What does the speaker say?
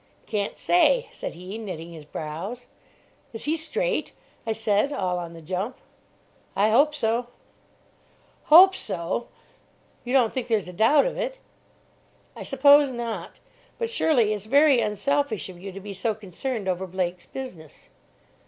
"Can't say," said he, knitting his brows. "Is he straight?" I said, all on the jump. "I hope so." "'Hope so.' You don't think there's a doubt of it?" "I suppose not. But surely it's very unselfish of you to be so concerned over Blake's business."